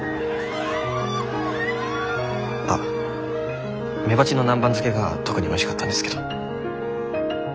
あメバチの南蛮漬けが特においしかったんですけど。